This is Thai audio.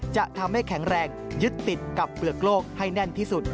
จะทำให้แข็งแรงยึดติดกับเปลือกโลกให้แน่นที่สุด